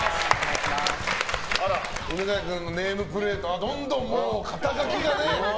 犬飼君のネームプレートはどんどん肩書がね。